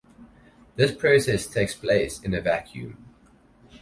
This process takes place in a vacuum.